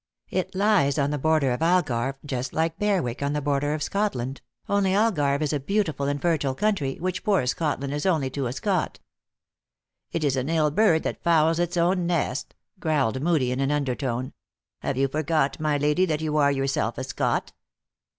It lies on the border of Algarve, just like Berwick on the border of Scotland, only Algarve is a beautiful and fertile country, which poor Scotland is only to a Scot." " It is an ill bird that fouls its own nest," growled Moodie in an undertone. " Have you forgot, my lady, that you are yourself a Scot!"